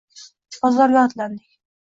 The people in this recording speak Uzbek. Bozorga otlandik...